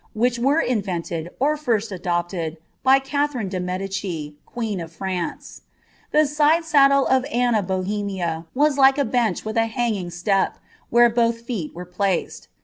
whict were invented, or first adopted, by Catherine tie Medicis, qoecii o( Fault. The side saddle of Anne of Bohemia was like a bench with ■ bai^iaf step, where both feet were placed.